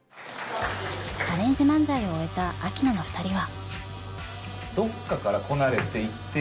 アレンジ漫才を終えたアキナの２人は？